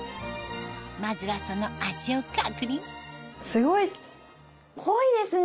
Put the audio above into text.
まずはその味を確認すごい濃いですね！